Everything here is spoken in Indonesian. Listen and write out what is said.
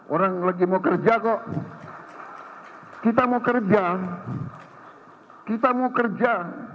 orang lagi mau kerja kok kita mau kerja kita mau kerja